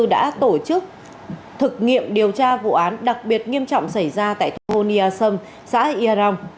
đã tổ chức thực nghiệm điều tra vụ án đặc biệt nghiêm trọng xảy ra tại thu hô nia sâm xã yà rồng